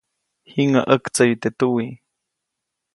Jiŋäʼ ʼaktsayu teʼ tuwiʼ.